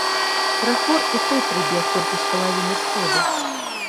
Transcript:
Прахор і той прыбег толькі з палавіны сходу.